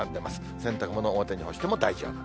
洗濯物、表に干しても大丈夫。